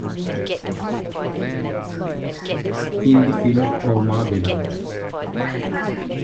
In the film Oh Marbella!